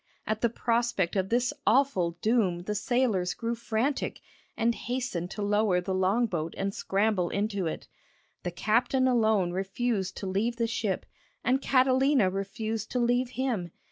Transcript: ] At the prospect of this awful doom the sailors grew frantic, and hastened to lower the long boat and scramble into it. The captain alone refused to leave the ship, and Catalina refused to leave him.